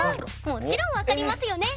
もちろん分かりますよね？